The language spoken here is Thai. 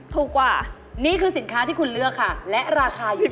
ถูกกว่านี่คือสินค้าที่คุณเลือกค่ะและราคาอยู่ที่